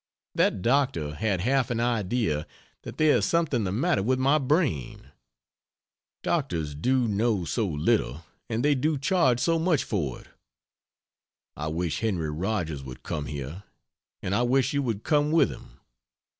That doctor had half an idea that there is something the matter with my brain... Doctors do know so little and they do charge so much for it. I wish Henry Rogers would come here, and I wish you would come with him.